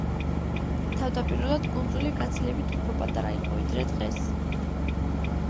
თავდაპირველად კუნძული გაცილებით უფრო პატარა იყო, ვიდრე დღეს.